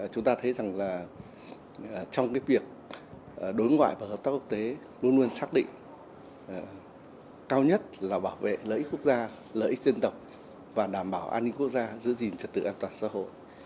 chúng ta thấy rằng là trong cái việc đối ngoại và hợp tác quốc tế luôn luôn xác định cao nhất là bảo vệ lợi ích quốc gia lợi ích dân tộc và đảm bảo an ninh quốc gia giữ gìn trật tự an toàn xã hội